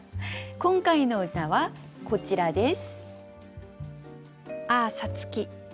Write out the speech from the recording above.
今回の歌はこちらです。